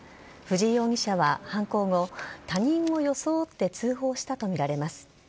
藤井容疑者は犯行後、他人を装って通報したと見られます。